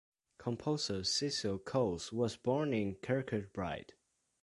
Composer Cecil Coles was born in Kirkcudbright.